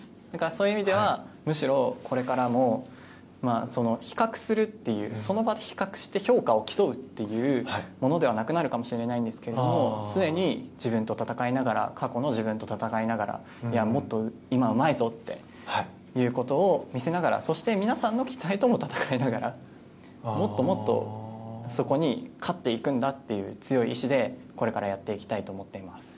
そういう意味ではむしろこれからも比較するその場で比較して評価を競うというものではなくなるかもしれないんですけど常に自分と闘いながら過去の自分と闘いながらもっと今はうまいぞっていうことを見せながらそして皆さんの期待とも闘いながらもっともっとそこに勝っていくんだという強い意志でこれからやっていきたいと思っています。